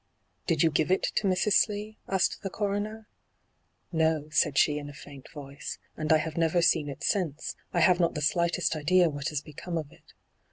' Did you give it to Mrs. Slee ?' asked the coroner. ' No,' said she in a &.int voice, ' and I have never seen it since ; I have not the slightest idea what has become of it.